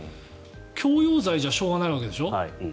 強要罪じゃしょうがないわけでしょ。